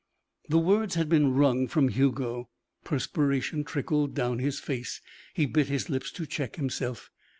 The words had been wrung from Hugo. Perspiration trickled down his face. He bit his lips to check himself.